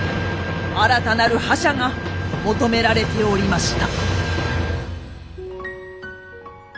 新たなる覇者が求められておりました。